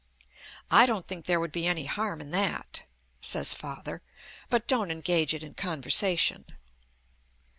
"I don't think there would be any harm in that," says Father. "But don't engage it in conversation."